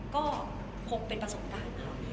ก็คงเป็นประสบการณ์ค่ะ